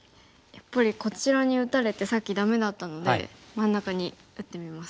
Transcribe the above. やっぱりこちらに打たれてさっきダメだったので真ん中に打ってみます。